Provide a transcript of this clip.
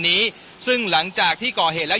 ตอนนี้จะเปลี่ยนอย่างนี้หรอว้าง